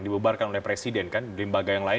dibubarkan oleh presiden lembaga yang lain